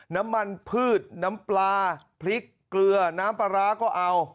น้ำมันพืชน้ำปลาพริกเกลือน้ำปลาร้าก็เอา